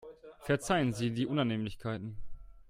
Verzeihen Sie die Unannehmlichkeiten.